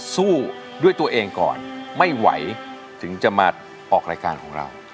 สู้ด้วยตัวเองก่อนไม่ไหวถึงจะมาออกรายการของเรา